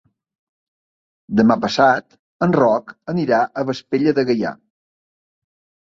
Demà passat en Roc anirà a Vespella de Gaià.